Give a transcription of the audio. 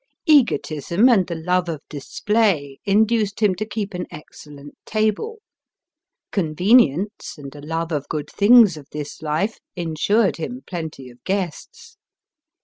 Egotism and the love of display induced him to keep an excellent table : convenience, and a love of good things of this life, ensured him plenty of guests.